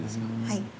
はい。